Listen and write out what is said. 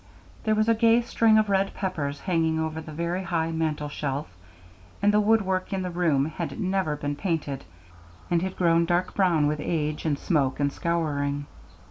There was a gay string of red peppers hanging over the very high mantel shelf, and the wood work in the room had never been painted, and had grown dark brown with age and smoke and scouring.